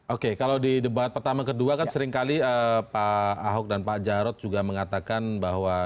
oke kalau di debat pertama kedua kan seringkali pak ahok dan pak jarod juga mengatakan bahwa